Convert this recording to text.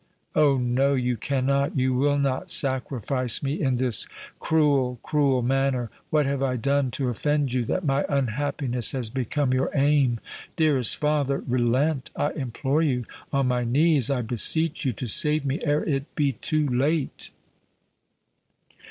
_' Oh! no—you cannot—you will not sacrifice me in this cruel, cruel manner! What have I done to offend you, that my unhappiness has become your aim? Dearest father—relent—I implore you: on my knees, I beseech you to save me ere it be too late!"